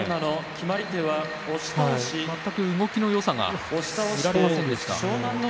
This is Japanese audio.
全く動きのよさが見られませんでした。